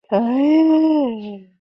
大鹏航空奇摩部落格